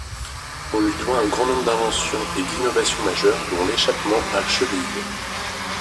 On lui doit un grand nombre d'inventions et d'innovations majeures, dont l'échappement à chevilles.